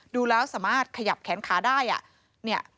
ดูแล้วสามารถขยับแขนขาได้อะเนี่ย